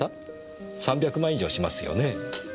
３００万以上しますよね？